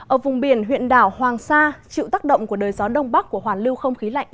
ở vùng biển huyện đảo hoàng sa chịu tác động của đời gió đông bắc của hoàn lưu không khí lạnh